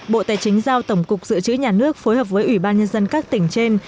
bộ tài chính giao tổng cục dự trữ nhà nước phối hợp với ủy ban nhân dân các tỉnh trên